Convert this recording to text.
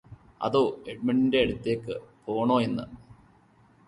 അതോ എഡ്മണ്ടിന്റെ അടുത്തേയ്ക് പോണോയെന്ന്